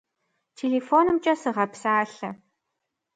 Телефонымкӏэ сыгъэпсалъэ.